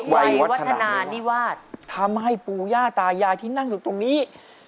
วัยวัฒนานิวาสทำให้ปู่ย่าตายายที่นั่งอยู่ตรงนี้